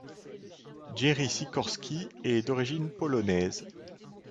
Gerry Sikorski est d'origine polonaise.